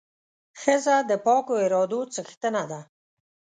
ښځه د پاکو ارادو څښتنه ده.